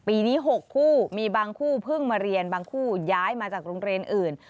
ปีนี้๖คู่มีบางคู่เพิ่งมาเรียนบางคู่ย้ายมาจากโรงเรียนอื่น